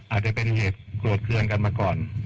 อาจจะเป็นเหตุโกรธเครื่องกันมาก่อน